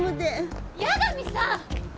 八神さん！